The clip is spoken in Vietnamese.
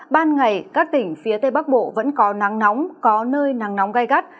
ban ngày các tỉnh phía tây bắc bộ vẫn có nắng nóng có nơi nắng nóng gai gắt